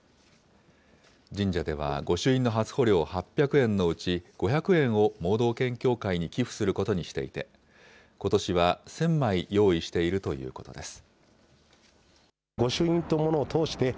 神社では御朱印の初穂料８００円のうち、５００円を盲導犬協会に寄付することにしていて、ことしは１０００枚用意しているということです。